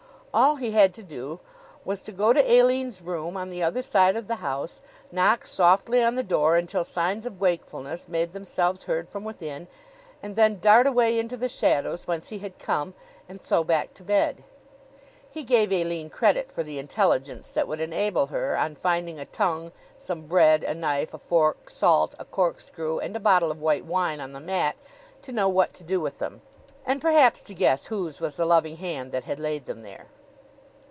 All he had to do was to go to Aline's room on the other side of the house, knock softly on the door until signs of wakefulness made themselves heard from within, and then dart away into the shadows whence he had come, and so back to bed. He gave Aline credit for the intelligence that would enable her, on finding a tongue, some bread, a knife, a fork, salt, a corkscrew and a bottle of white wine on the mat, to know what to do with them and perhaps to guess whose was the loving hand that had laid them there.